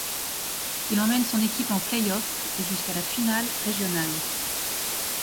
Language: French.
Il emmène son équipe en playoff et jusqu'à la finale régionale.